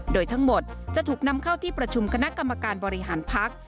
โดยทั้งหมดจะถูกนำเข้าที่ประชุมคณะกรรมการบริหารพัก